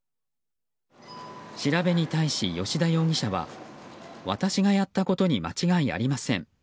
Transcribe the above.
調べに対し、葭田容疑者は私がやったことに間違いありません。